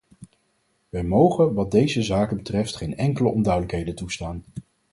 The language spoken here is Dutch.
Wij mogen wat deze zaken betreft geen enkele onduidelijkheden toestaan.